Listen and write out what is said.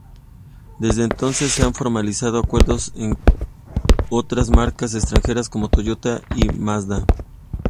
Desde entonces, se han formalizado acuerdos con otras marcas extranjeras, como Toyota y Mazda.